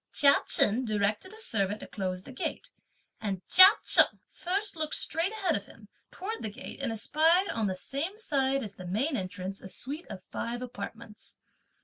Chia Chen directed a servant to close the gate, and Chia Cheng first looked straight ahead of him towards the gate and espied on the same side as the main entrance a suite of five apartments.